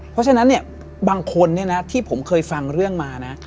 เพราะฉะนั้นเนี่ยบางคนที่ผมเคยฟังเรื่องมานะ